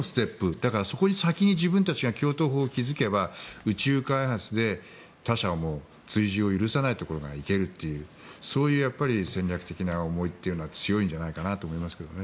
だからそこに先に自分たちが橋頭保を築けば宇宙開発で他者の追随を許さないところに行けるというそういう戦略的な思いは強いんじゃないかなと思いますけどね。